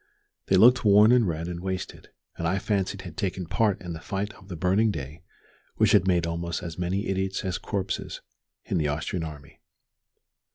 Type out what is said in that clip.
They looked worn and red and wasted, and I fancied had taken part in the fight of the burning day which had made almost as many idiots as corpses in the Austrian army.